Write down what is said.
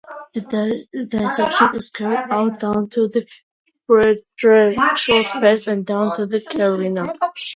Dissection is carried out down to the pretracheal space and down to the carina.